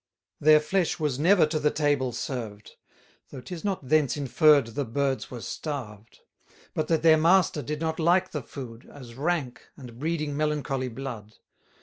Their flesh was never to the table served; Though 'tis not thence inferr'd the birds were starved; But that their master did not like the food, As rank, and breeding melancholy blood.